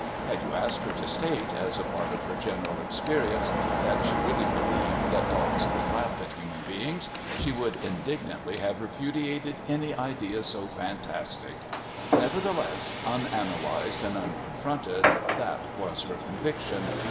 Had you asked her to state, as a part of her general experience, that she really believed that dogs could laugh at human beings she would indignantly have repudiated any idea so fantastic, nevertheless, unanalysed and unconfronted, that was her conviction.